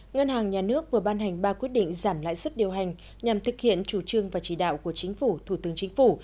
ngân hàng nhà nước vừa ban hành ba quyết định giảm lãi suất điều hành nhằm thực hiện chủ trương và chỉ đạo của chính phủ thủ tướng chính phủ